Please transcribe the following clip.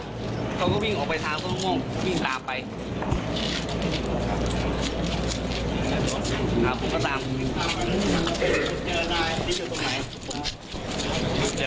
เดี๋ยวครับผมตามไปก่อนตามเข้าไม่ทันแล้ว